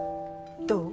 どう？